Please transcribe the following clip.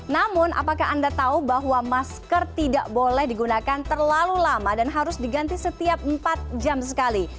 namun apakah anda tahu bahwa masker tidak boleh digunakan terlalu lama dan harus diganti setiap empat jam sekali